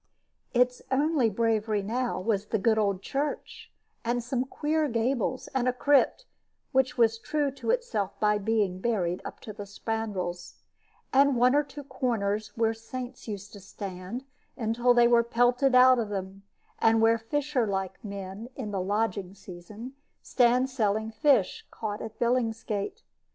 Its only bravery now was the good old church, and some queer gables, and a crypt (which was true to itself by being buried up to the spandrels), and one or two corners where saints used to stand, until they were pelted out of them, and where fisher like men, in the lodging season, stand selling fish caught at Billingsgate.